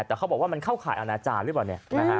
แต่เขาบอกว่ามันเข้าข่ายอาณาจารย์หรือเปล่าเนี่ยนะฮะ